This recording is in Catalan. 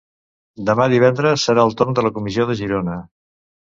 Demà divendres serà el torn de la comissió de Girona.